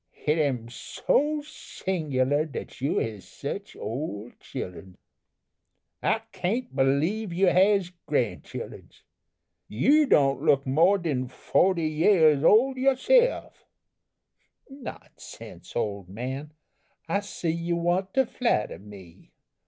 Hit am so singular dat you has sich old childruns. I can't believe you has grand childruns. You don't look more den forty yeahs old youself." "Nonsense, old man, I see you want to flatter me.